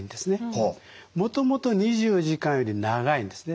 もともと２４時間より長いんですね。